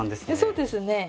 そうですね。